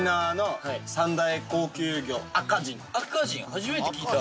初めて聞いた。